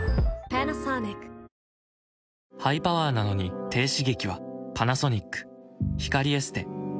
ハイパワーなのに低刺激はパナソニック磧光エステ」